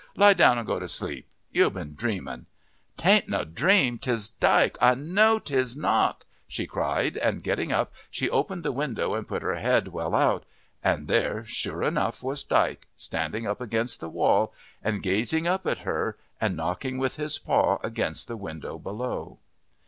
"Lie down and go to sleep you've been dreaming." "'Tain't no dream; 'tis Dyke I know his knock," she cried, and getting up she opened the window and put her head well out, and there sure enough was Dyke, standing up against the wall and gazing up at her, and knocking with his paw against the window below.